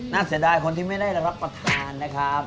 เสียดายคนที่ไม่ได้รับประทานนะครับ